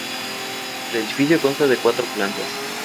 El edificio consta de cuatro plantas.